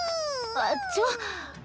あっちょっ。